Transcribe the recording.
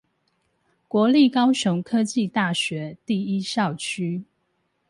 國立高雄科技大學第一校區